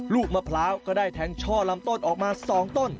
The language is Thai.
ลูกมะพร้าวก็ได้แทงช่อลำต้นออกมา๒ต้น